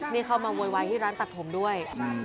นี่เข้ามาโวยวายที่ร้านตัดผมด้วย